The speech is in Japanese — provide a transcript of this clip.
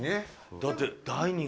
だって。